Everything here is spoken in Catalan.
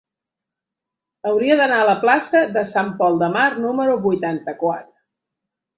Hauria d'anar a la plaça de Sant Pol de Mar número vuitanta-quatre.